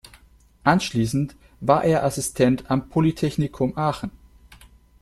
Anschließend war er Assistent am Polytechnikum Aachen.